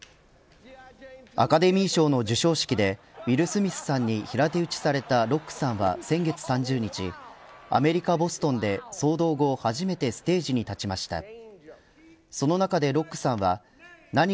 アカデミー賞の授賞式でウィル・スミスさんに平手打ちされたロックさんは先月３０日、アメリカボストンで騒動後、初めてステージに立ちました。